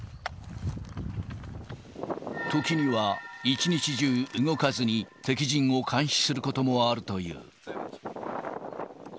時には、一日中、動かずに敵陣を監視することもあるという。